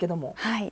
はい。